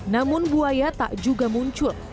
namun buaya tak juga muncul